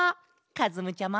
かずむちゃま？